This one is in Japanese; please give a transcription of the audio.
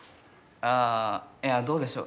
あいやどうでしょう。